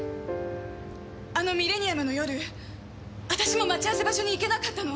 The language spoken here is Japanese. あのミレニアムの夜私も待ち合わせ場所に行けなかったの。